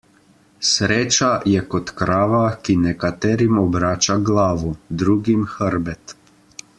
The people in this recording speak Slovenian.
Sreča je kot krava, ki nekaterim obrača glavo, drugim hrbet.